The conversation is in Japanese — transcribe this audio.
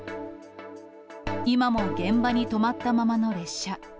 今も現場に止まったままの列車。